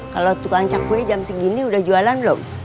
kalau tukang cakwe jam segini udah jualan belum